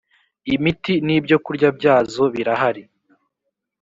imiti n ibyo kurya byazo birahari